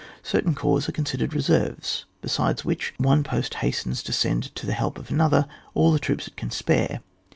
•Certain corps are considered reserves ; besides which, one post hastens to send to the help of another all the' troops it can spare.